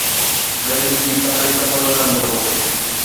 غريب چيتا لڪندو رهندو هو